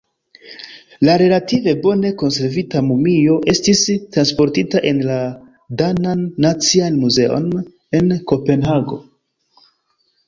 La relative bone konservita mumio estis transportita en la danan nacian muzeon en Kopenhago.